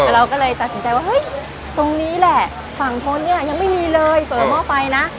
เราก็เลยตัดสินใจว่าเฮ้ยตรงนี้แหละฝั่งพ้นเนี่ยยังไม่มีเลยเปิดหม้อไฟนะ